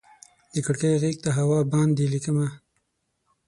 د کړکۍ غیږ ته هوا باندې ليکمه